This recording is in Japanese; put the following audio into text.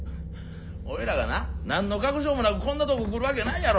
俺らがな何の確証もなくこんなとこ来るわけないやろ！